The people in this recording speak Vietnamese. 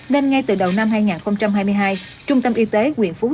nên ngay từ đầu năm hai nghìn hai mươi hai trung tâm y tế quyền phú